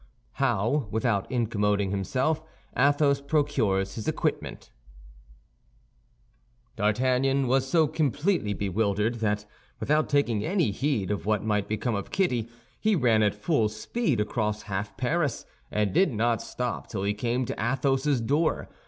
HOW, WITHOUT INCOMMDING HIMSELF, ATHOS PROCURES HIS EQUIPMENT D'Artagnan was so completely bewildered that without taking any heed of what might become of Kitty he ran at full speed across half Paris, and did not stop till he came to Athos's door.